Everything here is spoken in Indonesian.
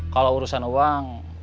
kalau urusan uang